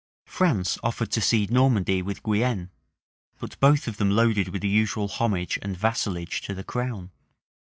France offered to cede Normandy with Guienne, but both of them loaded with the usual homage and vassalage to the crown.